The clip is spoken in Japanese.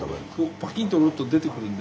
パキンと折ると出てくるんで。